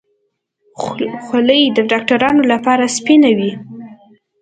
خولۍ د ډاکترانو لپاره سپینه وي.